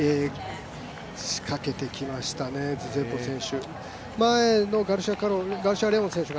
仕掛けてきましたね、ズジェブウォ選手。